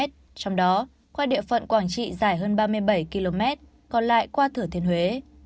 trong đó qua địa phận quảng trị dài hơn ba mươi bảy km còn lại qua thử thiên huế